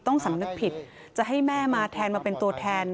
ต้องสาญมีความผิดจะให้แม่มาแทนมาเป็นตัวแทน